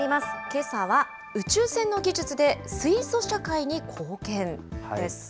けさは宇宙船の技術で水素社会に貢献です。